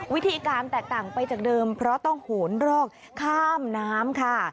วิธีการแตกต่างไปจากเดิมเพราะต้องโหนรอกข้ามน้ำค่ะ